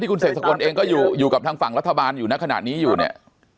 คนเองก็อยู่กับทั้งฝั่งรัฐบาลอยู่นะขนาดนี้อยู่เนี่ย